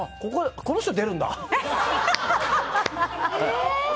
この人、出るんだって。